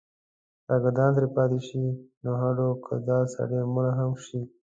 شاګردان ترې پاتې شي نو هډو که دا سړی مړ هم شي.